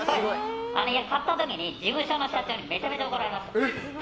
買った時に事務所の社長にめちゃめちゃ怒られました。